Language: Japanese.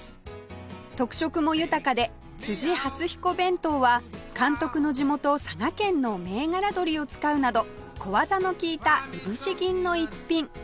特色も豊かで発彦弁当は監督の地元佐賀県の銘柄鶏を使うなど小技の利いたいぶし銀の逸品